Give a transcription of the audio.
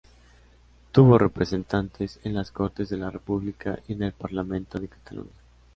Tuvo representantes en las Cortes de la República y en el Parlamento de Cataluña.